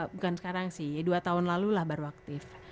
bukan sekarang sih dua tahun lalu lah baru aktif